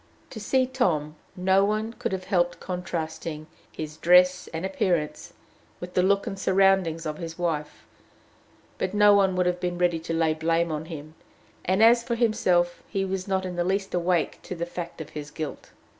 To see Tom, no one could have helped contrasting his dress and appearance with the look and surroundings of his wife; but no one would have been ready to lay blame on him; and, as for himself, he was not in the least awake to the fact of his guilt.